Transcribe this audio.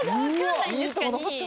いいとこ残った。